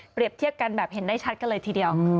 เปรียบเทียบกันแบบเห็นได้ชัดก็เลยทีเดียว